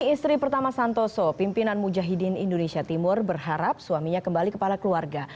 istri pertama santoso pimpinan mujahidin indonesia timur berharap suaminya kembali kepala keluarga